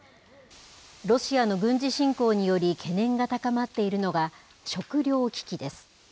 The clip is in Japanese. ロシアの軍事侵攻により懸念が高まっているのが、食糧危機です。